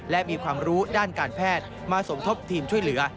และมีความรู้ด้านการแพทย์มาสมทบทีมช่วยเหลือ